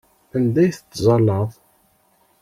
Anda ay tettẓallaḍ?